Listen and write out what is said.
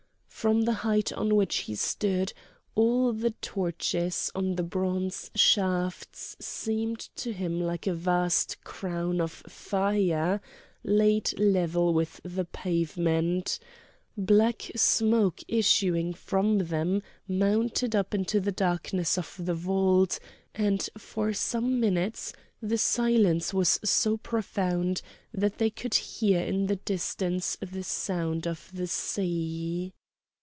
From the height on which he stood, all the torches on the bronze shafts seemed to him like a vast crown of fire laid level with the pavement; black smoke issuing from them mounted up into the darkness of the vault; and for some minutes the silence was so profound that they could hear in the distance the sound of the sea.